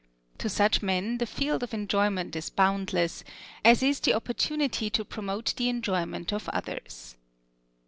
To such men the field of enjoyment is boundless, as is the opportunity to promote the enjoyment of others.